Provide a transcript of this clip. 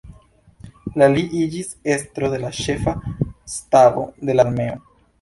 La li iĝis estro de la ĉefa stabo de la armeo.